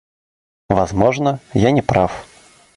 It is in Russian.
Возможно, я неправ.